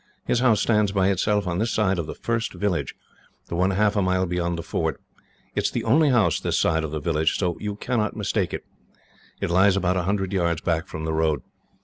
His house stands by itself on this side of the first village the one half a mile beyond the ford. It is the only house this side of the village, so you cannot mistake it. It lies about a hundred yards back from the road.